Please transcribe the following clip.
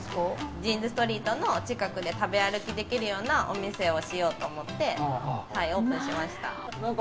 ジーンズストリートの近くで食べ歩きできるようなお店をしようと思ってオープンしました。